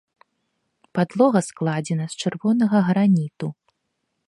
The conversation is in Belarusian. Падлога складзена з чырвонага граніту.